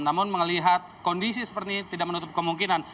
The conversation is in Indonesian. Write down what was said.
namun melihat kondisi seperti ini tidak menutup kemungkinan